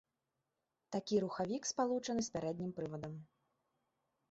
Такі рухавік спалучаны з пярэднім прывадам.